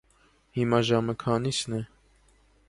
- Հիմա ժամը քանի՞սն է: